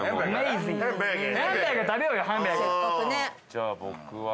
じゃあ僕は。